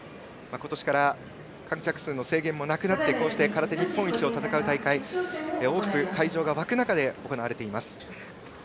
今年から観客数の制限もなくなりこうして空手日本一を戦う大会に大きく会場が沸く中で行われています。